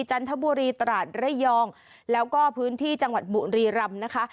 จันทบุรีตราดระยองแล้วก็พื้นที่จังหวัดบุรีรำนะคะ